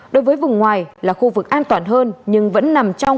đối với vùng ngoài là khu vực an toàn hơn nhưng vẫn nằm trong